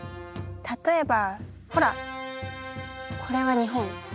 例えばほらこれは日本。